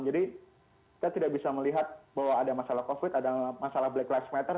jadi kita tidak bisa melihat bahwa ada masalah covid ada masalah black lives matter